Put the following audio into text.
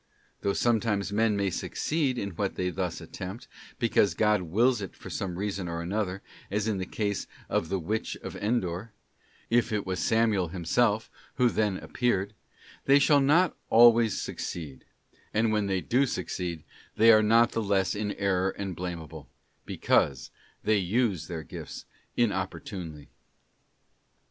Though sometimes men may succeed in what they thus attempt, because God wills it for some reason or other, as in the case of the Witch of Endor—if it was Samuel himself who then appeared—they shall not always succeed ; and when they do succeed, they are not the less in error and blameable, because they use their gifts inopportunely.